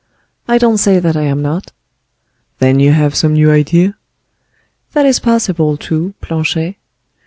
"I don't say that I am not." "Then you have some new idea?" "That is possible, too, Planchet."